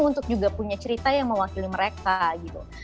karena mereka juga punya cerita yang mewakili mereka gitu